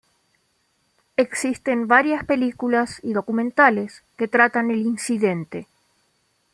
Existen varias películas y documentales que tratan el incidente.